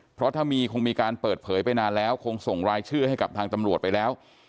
เพราะถ้ามีคงมีการเปิดเผยไปนานแล้วคงส่งรายชื่อให้กับทางตำรวจไปแล้ว